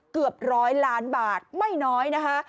เกือบร้อยล้านบาทไม่น้อยนะคะ